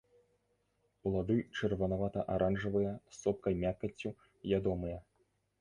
Плады чырванавата-аранжавыя, з сопкай мякаццю, ядомыя.